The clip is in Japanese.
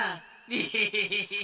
エヘヘヘヘヘッ。